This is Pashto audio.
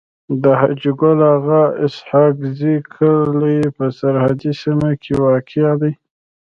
د حاجي ګل اغا اسحق زی کلی په سرحدي سيمه کي واقع دی.